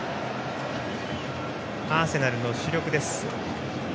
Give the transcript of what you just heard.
アーセナルの主力です。